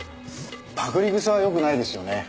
パクり癖はよくないですよね。